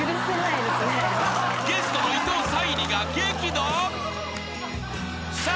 ［ゲストの伊藤沙莉が激怒！？］